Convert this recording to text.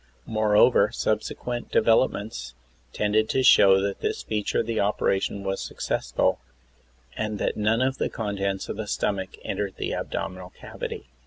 Moreover, subsequent developments tended to show that this feature of the O'peration was successful and that none of the contents of the stomach entered the abdominal cavity.